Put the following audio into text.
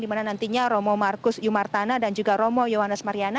dimana nantinya romo marcus iumartana dan juga romo ioannis mariana